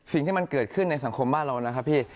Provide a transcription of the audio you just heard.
สิ่งที่มันเกิดขึ้นในสังคมบ้านเรานะครับพี่